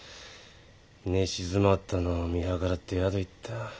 寝静まったのを見計らって宿行った。